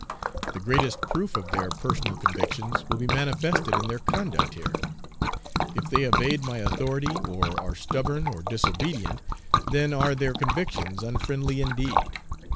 The greatest proof of their personal convictions will be manifested in their conduct here. If they evade my authority, or are stubborn or disobedient, then are their convictions unfriendly indeed.